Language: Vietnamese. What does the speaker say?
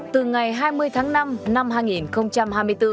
từ ngày hai mươi tháng năm năm hai nghìn hai mươi bốn